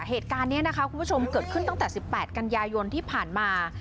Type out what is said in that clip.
เหตุการณ์นี้นะคะคุณผู้ชมเกิดขึ้นตั้งแต่๑๘กันยายนที่ผ่านมา